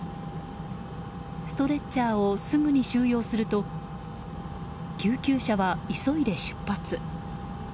ストレッチャーをすぐに収容すると救急車は急いで出発。